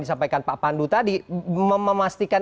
disampaikan pak pandu tadi memastikan